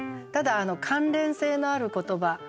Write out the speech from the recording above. ただ関連性のある言葉